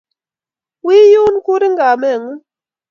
Wi yun, kurin kameng'ung'